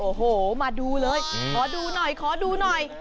โอ้โหมาดูเลยขอดูหน่อยขอดูหน่อย